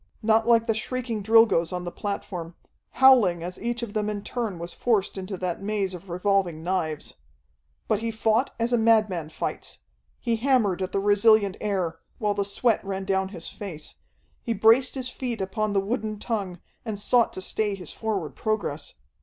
Not like the shrieking Drilgoes on the platform, howling as each of them in turn was forced into that maze of revolving knives. But he fought as a madman fights. He hammered at the resilient air, while the sweat ran down his face, he braced his feet upon the wooden tongue, and sought to stay his forward progress.